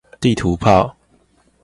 地圖炮